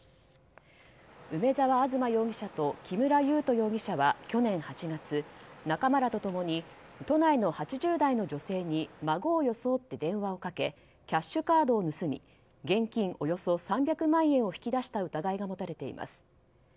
梅沢雷容疑者と木村優斗容疑者は去年８月仲間らと共に都内の８０代の女性に孫を装って電話をかけキャッシュカードを盗み現金およそ３００万円を引き出した疑いが持たれています。